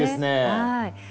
はい。